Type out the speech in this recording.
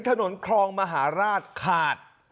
คลองมหาราชขาด